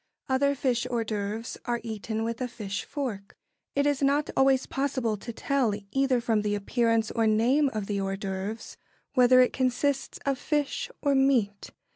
Other fish hors d'œuvres are eaten with a fish fork. [Sidenote: Hors d'œuvres] It is not always possible to tell, either from the appearance or name of the hors d'œuvre, whether it consists of fish or meat.